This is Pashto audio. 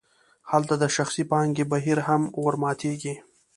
هلته د شخصي پانګې بهیر هم ورماتیږي.